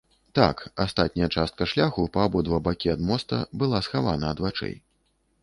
Так, астатняя частка шляху па абодва бакі ад моста была схавана ад вачэй.